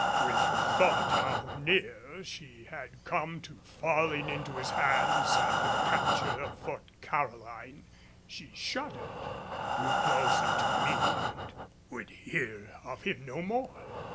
With the thought how near she had come to falling into his hands after the capture of Fort Caroline, she shuddered, drew closer to me and would hear of him no more.